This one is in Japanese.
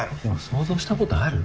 想像したことある？